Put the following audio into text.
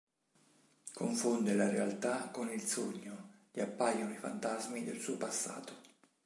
Confonde la realtà con il sogno, gli appaiono i fantasmi del suo passato.